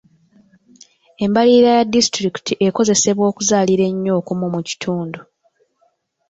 Embalirira ya disitulikiti ekosebwa okuzaalira ennyo okumu mu kitundu.